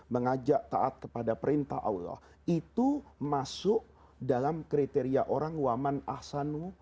mengajak taat kepada perintah allah itu masuk dalam kriteria orang waman ahsanu